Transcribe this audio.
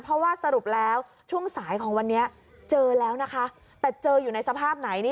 เพราะว่าสรุปแล้วช่วงสายของวันนี้เจอแล้วนะคะแต่เจออยู่ในสภาพไหน